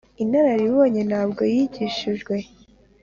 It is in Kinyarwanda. inararibonye ntabwo yigishijwe